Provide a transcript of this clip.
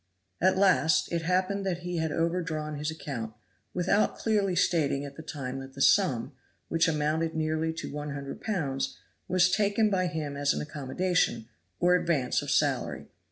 At last, it happened that he had overdrawn his account, without clearly stating at the time that the sum, which amounted nearly to one hundred pounds, was taken by him as an accommodation, or advance of salary.